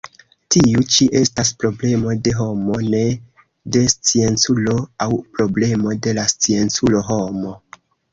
Tiu ĉi estas problemo de homo, ne de scienculo, aŭ problemo de la scienculo-homo.